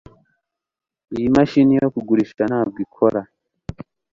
iyi mashini yo kugurisha ntabwo ikora